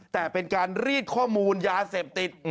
แต่เป็นการรีดข้อมูลยาเสพติด